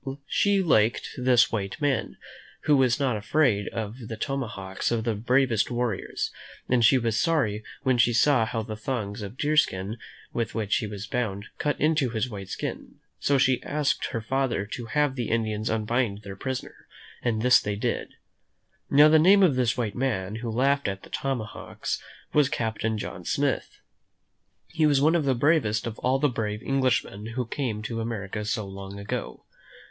She liked this white man, who was not afraid of the tomahawks of the bravest warriors, and she was sorry when she uiinui^ '■■> f' ^i: &" tlU THE LITTLE RED PRINCESS OF THE FOREST 'mi m .■ ^C saw how the thongs of deer skin, with which he was bound, cut into his white skin; so she asked her father to have the Indians unbind their prisoner, and this they did. Now, the name of this white man who laughed at the tomahawks was Captain John Smith. He was one of the bravest of all the brave English men who came to America so long ago.